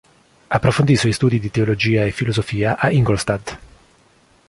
Approfondì i suoi studi di teologia e filosofia a Ingolstadt.